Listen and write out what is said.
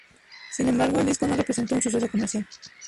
Sin embargo, el disco no representó un suceso comercial.